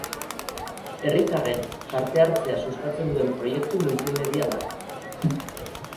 Herritarren parte hartzea sustatzen duen proiektu multimedia da.